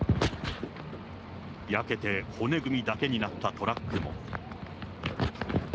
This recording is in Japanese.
焼けて骨組みだけになったトラックも。